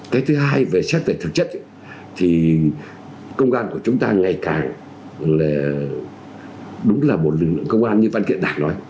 cái thứ hai về xét về thực chất thì công an của chúng ta ngày càng đúng là một lực lượng công an như văn kiện đảng nói